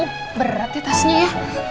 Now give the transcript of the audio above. uh berat ya tasnya ya